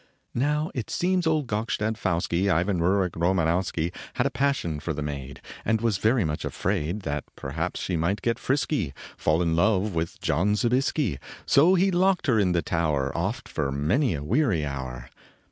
Now, it seems old Gokstad Pfouski Ivan Ruric Romanowski Had a passion for the maid, And was very much afraid That perhaps she might get frisky Fall in love with John Zobiesky ; So he locked her in the tower Oft for many a weary hour.